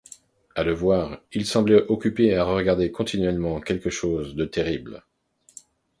À le voir, il semblait occupé à regarder continuellement quelque chose de terrible.